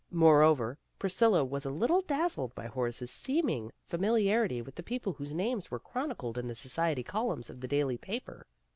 Moreover, Priscilla was a little dazzled by Horace's seeming familiarity with the people whose names were chronicled in the society columns of the daily paper.